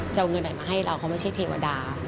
จะเอาเงินไหนมาให้เราเขาไม่ใช่เทวดา